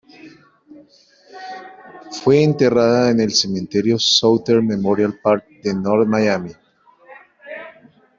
Fue enterrada en el Cementerio Southern Memorial Park de North Miami.